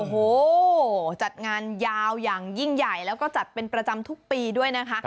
โอ้โหจัดงานยาวอย่างยิ่งใหญ่แล้วก็จัดเป็นประจำทุกปีด้วยนะคะ